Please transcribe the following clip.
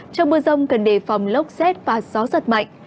trong mưa rông cần đề phòng lốc xét và gió giật mạnh